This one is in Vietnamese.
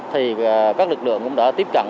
thì các lực lượng cũng đã tiếp cận